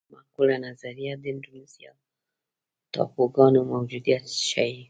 معقوله نظریه د اندونیزیا ټاپوګانو موجودیت ښيي.